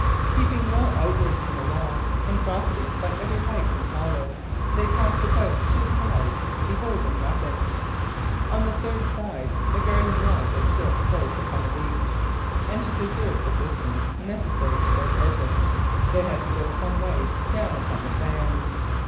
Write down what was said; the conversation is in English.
Keeping well outwards from the wall, and profiting by every height and hollow, they passed about two sides, beholding nothing. On the third side the garden wall was built close upon the beach, and to preserve the distance necessary to their purpose, they had to go some way down upon the sands.